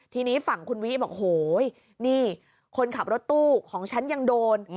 ทีนี้ฝั่งคุณวิบอกโหยนี่คนขับรถตู้ของฉันยังโดน